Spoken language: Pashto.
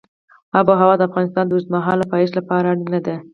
آب وهوا د افغانستان د اوږدمهاله پایښت لپاره اړینه ده.